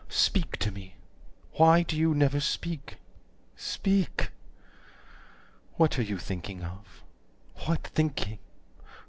Speak to me. Why do you never speak? Speak. What are you thinking of? What thinking?